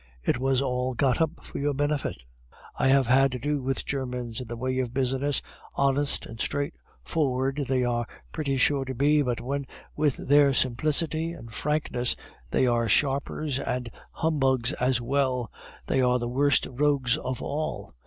"It was all got up for your benefit! I have had to do with Germans in the way of business, honest and straightforward they are pretty sure to be, but when with their simplicity and frankness they are sharpers and humbugs as well, they are the worst rogues of all.